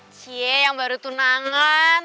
cie yang baru tunangan